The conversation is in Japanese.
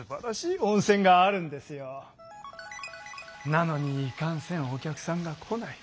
なのにいかんせんお客さんが来ない。